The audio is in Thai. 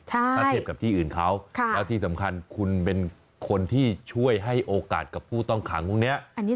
ถ้าเทียบกับที่อื่นเขาแล้วที่สำคัญคุณเป็นคนที่ช่วยให้โอกาสกับผู้ต้องขังพวกนี้